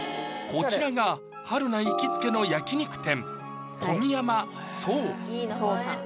こちらが春菜行きつけの焼肉店奏さん